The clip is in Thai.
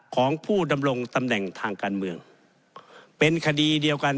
ของผู้ดำรงตำแหน่งทางการเมืองเป็นคดีเดียวกัน